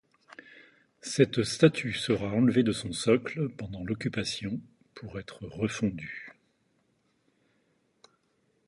Cette statue sera enlevée de son socle pendant l'Occupation pour être refondue.